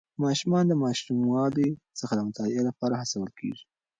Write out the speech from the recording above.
ماشومان د ماشوموالي څخه د مطالعې لپاره هڅول کېږي.